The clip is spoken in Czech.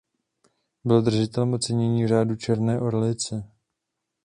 Byl držitelem ocenění Řádu černé orlice.